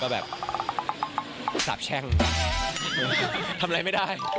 ทับแสบแสบทำอะไรไม่ได้